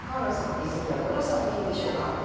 一席はどの作品でしょうか？